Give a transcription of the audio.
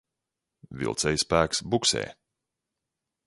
Vilcējspēks buksē.